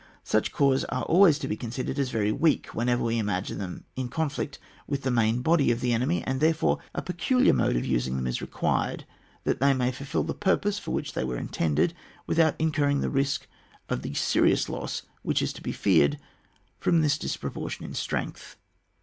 Such corps are always to be considered as very weak whenever we imagine them in conflict with the main body of the enemy, and therefore a peculiar mode of using them is required, that they may fulfll the purpose for which they are intended, without incurring the risk of the serious loss which is to be feared from this dis" proportion in strength..